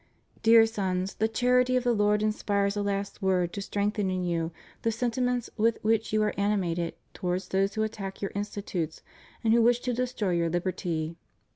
Dear sons, the charity of the Lord inspires a last word to strengthen in you the sentiments with which you are animated towards those who attack your institutes and who wish to destroy your liberty.